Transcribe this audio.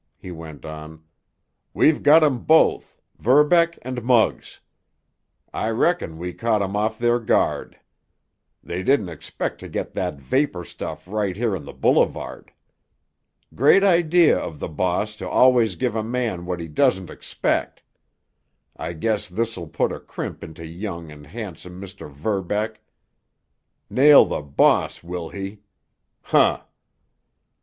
he went on. "We've got 'em both—Verbeck and Muggs. I reckon we caught 'em off their guard. They didn't expect to get that vapor stuff right here on the boulevard. Great idea of the boss to always give a man what he doesn't expect! I guess this'll put a crimp into young and handsome Mr. Verbeck. Nail the boss, will he? Huh!"